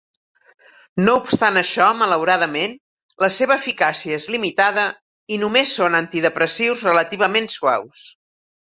No obstant això, malauradament, la seva eficàcia és limitada i només són antidepressius relativament suaus.